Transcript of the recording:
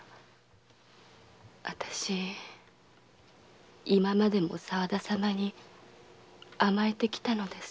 私今までも沢田様に甘えてきたのです。